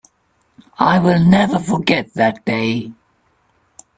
I will never forget that day.